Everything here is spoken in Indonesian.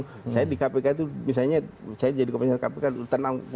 saya di kpk itu misalnya saya jadi komisioner kpk tenang